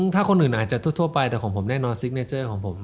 ถ้าคนอื่นอาจจะทั่วไปแต่ของผมแน่นอนซิกเนเจอร์ของผม